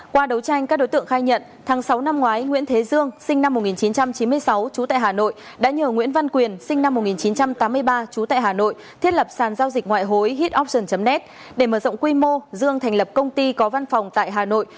qua đấu tranh các đối tượng khai nhận tháng sáu năm ngoái nguyễn thế dương sinh năm một nghìn chín trăm chín mươi sáu trú tại hà nội đã nhờ nguyễn văn quyền sinh năm một nghìn chín trăm tám mươi ba trú tại hà nội thiết lập sàn giao dịch ngoại hối head option net để mở rộng quy mô dương thành lập công ty có văn phòng tại hà nội